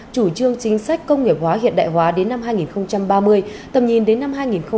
chủ trương chính sách công nghiệp hóa hiện đại hóa đến năm hai nghìn ba mươi tầm nhìn đến năm hai nghìn bốn mươi năm